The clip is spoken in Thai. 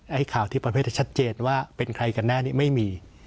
ไอ้ข่าวที่ประเภทจะชัดเจนว่าเป็นใครกันแน่นี่ไม่มี